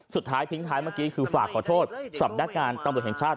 สุดท้ายทิ้งท้ายเมื่อกี้คือฝากขอโทษสำนักงานตำรวจแห่งชาติ